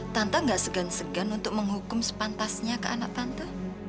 tante gak segan segan untuk menghukum sepantasnya ke anak tante